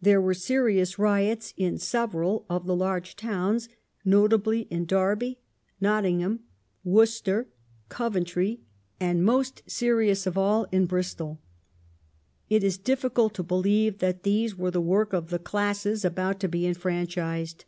There were serious riots in several of the large towns, notably in Derby, Nottingham, Worcester, Coventry, and — most serious of all — in Bristol. It is difficult to believe that these were the work of the classes about to be enfranchised.